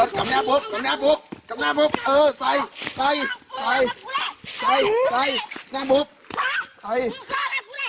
น้องก็ถูกทำร้ายด้วยหรือว่าผมได้ช่วย